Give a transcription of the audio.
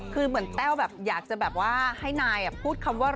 คือเหมือนแต้วแบบอยากจะแบบว่าให้นายพูดคำว่า